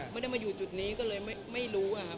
ไม่ได้มาอยู่จุดนี้ก็เลยไม่รู้อะครับ